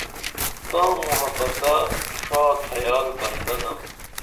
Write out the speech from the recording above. تاں محبتہ ݜا تھیال بندہ نم